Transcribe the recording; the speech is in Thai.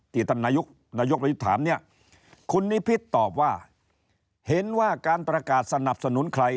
ท่านนายกนายกไปถามเนี่ยคุณนิพิษตอบว่าเห็นว่าการประกาศสนับสนุนใคร